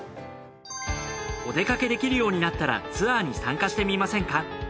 お出かけできるようになったらツアーに参加してみませんか？